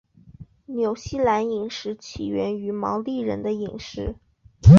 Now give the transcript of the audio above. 纽西兰饮食起源于毛利人的饮食。